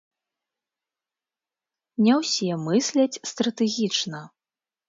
Не ўсе мысляць стратэгічна.